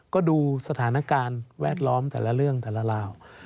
ก็ดูสถานการณ์แวดล้อมแต่ละเรื่องแต่ละราว